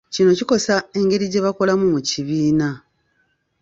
Kino kikosa engeri gye bakolamu mu kibiina.